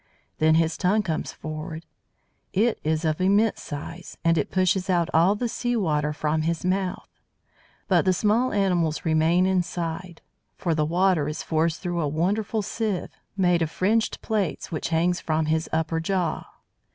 Then his tongue comes forward. It is of immense size, and it pushes out all the sea water from his mouth. But the small animals remain inside! For the water is forced through a wonderful sieve, made of fringed plates, which hangs from his upper jaw.